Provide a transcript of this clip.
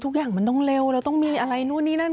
ทุกอย่างมันต้องเร็วเราต้องมีอะไรนู่นนี่นั่น